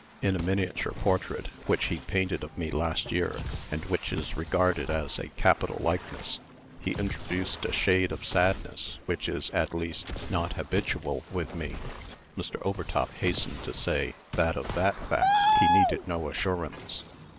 In a miniature portrait which he painted of me, last year, and which is regarded as a capital likeness, he introduced a shade of sadness, which is, at least, not habitual with me." Mr. Overtop hastened to say, that of that fact he needed no assurance.